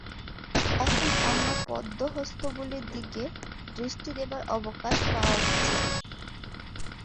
এখন অন্য পদ্মহস্তগুলির প্রতি দৃষ্টি দেবার অবকাশ পাওয়া গেছে।